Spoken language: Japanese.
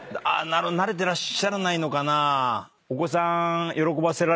慣れてらっしゃらないのかな。